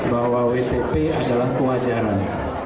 bahwa wtp adalah kewajaran